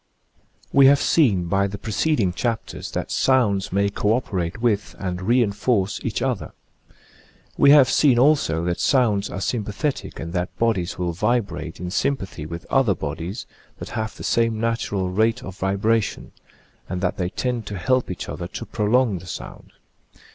We have seen by the preceding chapters that sounds may co operate with and re enforce each other. We have seen also that sounds are sympathetic and that bodies will vibrate in sympathy with other bodies that have the same natural rate of vibration, and that they tend to help each other to prolong the sound.